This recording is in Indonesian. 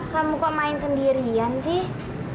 kamu kok main sendirian sih